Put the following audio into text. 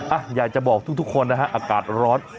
อ่ะอยากจะบอกทุกคนนะฮะอากาศร้อน